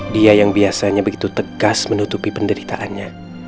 dia yang biasanya begitu tegas menutupi penderitaannya